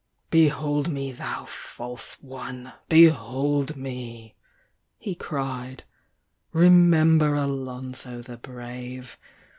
"Behold me, thou false one behold me!" he cried; "Remember Alonzo the Brave!